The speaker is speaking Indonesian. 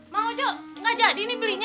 mau jok gak jadi nih belinya